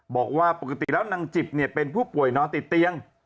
บอกว่าปกติแล้วนางจิบเป็นผู้ป่วยนอนติดเตียง